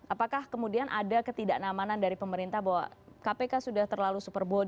apakah kemudian ada ketidaknamanan dari pemerintah bahwa kpk sudah terlalu super body